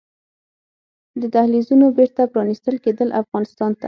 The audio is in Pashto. د دهلېزونو بېرته پرانيستل کیدل افغانستان ته